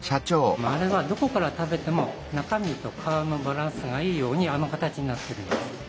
あれはどこから食べても中身と皮のバランスがいいようにあの形になってるんですね。